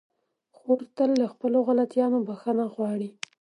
خور تل له خپلو غلطيانو بخښنه غواړي.